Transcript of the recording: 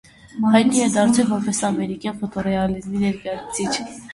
Հայտնի է դարձել որպես ամերիկյան ֆոտոռեալիզմի ներկայացուցիչ։